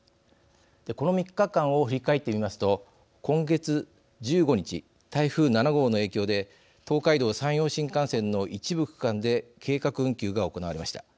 この３日間を振り返りますと今月１５日、台風７号の影響で東海道・山陽新幹線の一部区間で計画運休が行われました。